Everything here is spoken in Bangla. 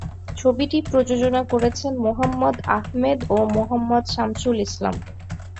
ছবিটি প্রযোজনা করেছেন মোহাম্মদ আহমেদ ও মোহাম্মদ শামসুল ইসলাম।